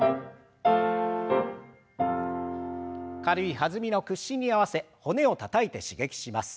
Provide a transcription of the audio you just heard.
軽い弾みの屈伸に合わせ骨をたたいて刺激します。